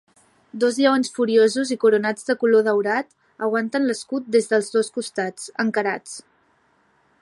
Dos lleons furiosos i coronats de color daurat aguanten l'escut des dels dos costats, encarats.